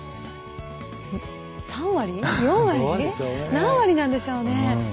何割なんでしょうね？